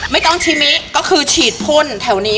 ไม่ต้องชิมิก็คือฉีดพ่นแถวนี้